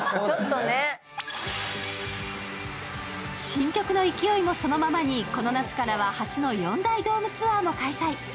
新曲の勢いもそのままに、この夏からは初の４大ドームツアーも開催。